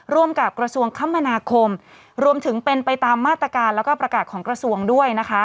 ร่วมกับกระทรวงคมนาคมรวมถึงเป็นไปตามมาตรการแล้วก็ประกาศของกระทรวงด้วยนะคะ